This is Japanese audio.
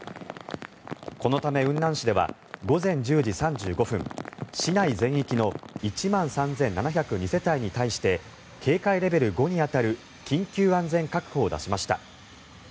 このため雲南市では午前１０時３５分市内全域の１万３７０２世帯に対して警戒レベル５に当たる緊急安全確保を出しました。